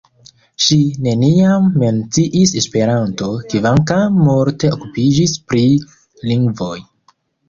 Ŝi neniam menciis Esperanton, kvankam multe okupiĝis pri lingvoj.